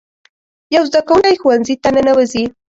یو زده کوونکی ښوونځي ته ننوځي.